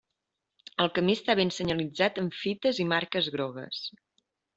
El camí està ben senyalitzat amb fites i marques grogues.